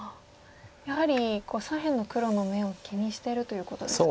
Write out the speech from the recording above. やはり左辺の黒の眼を気にしてるということですか。